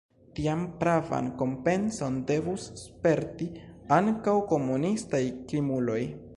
Tian pravan kompenson devus sperti ankaŭ komunistaj krimuloj.